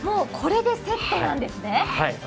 これでセットなんですね。